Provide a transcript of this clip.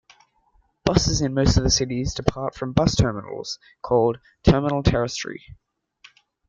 Buses in most of the cities depart from bus terminals called "terminal terrestre".